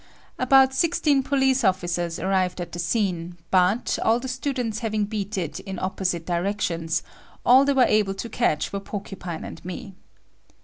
About sixteen police officers arrived at the scene but, all the students having beat it in opposite directions, all they were able to catch were Porcupine and me.